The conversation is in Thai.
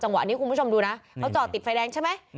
วะนี้คุณผู้ชมดูนะเขาจอดติดไฟแดงใช่ไหม